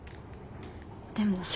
でも。